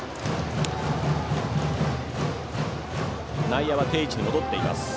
内野は定位置に戻っています。